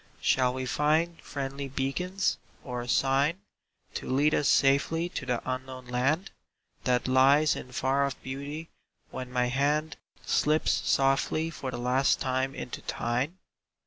Shall we find friendly beacons, or a sign To lead us safely to the unknown land That lies in far off beauty, when my hand Slips softly for the last time into thine?